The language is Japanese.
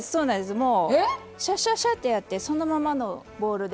もうシャシャシャッてやってそのままのボウルで。